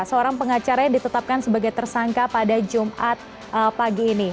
seorang pengacara yang ditetapkan sebagai tersangka pada jumat pagi ini